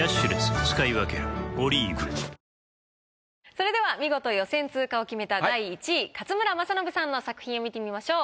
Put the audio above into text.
それでは見事予選通過を決めた第１位勝村政信さんの作品を見てみましょう。